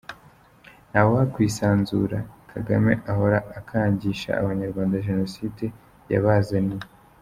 Nta wakwisanzura Kagame ahora akangisha abanyarwanda genocide yabazaniye!